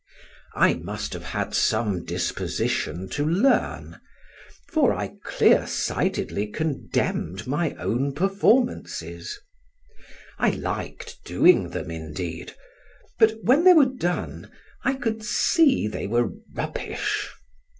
I must have had some disposition to learn; for I clear sightedly condemned my own performances. I liked doing them indeed; but when they were done, I could see they were rubbish.